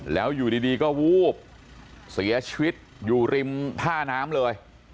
แล้วอยู่ดีก็วูบเสียชีวิตอยู่ริมท่าน้ำเลย